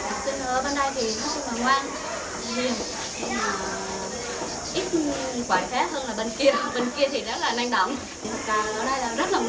ít quả khác hơn là bên kia bên kia thì rất là nhanh động